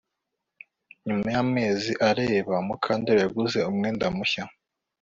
Nyuma yamezi areba Mukandoli yaguze umwenda mushya